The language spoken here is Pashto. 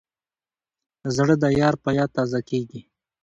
زړه د یار په یاد تازه کېږي.